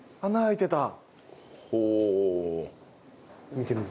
見てみる？